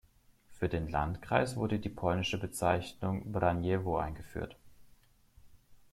Für den Landkreis wurde die polnische Bezeichnung "Braniewo" eingeführt.